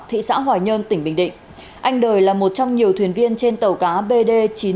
thị xã hòi nhơn tỉnh bình định anh đời là một trong nhiều thuyền viên trên tàu cá bd chín mươi sáu nghìn chín trăm ba mươi một